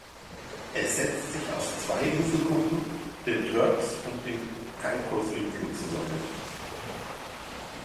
Es setzt sich aus zwei Inselgruppen, den Turks- und den Caicos-Inseln, zusammen.